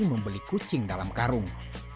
membeli kucing dalam karung